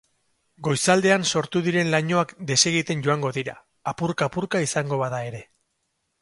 Goizaldean sortu diren lainoak desegiten joango dira, apurka-apurka izango bada ere.